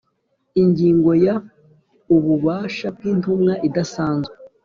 Ingingo ya Ububasha bw intumwa idasanzwe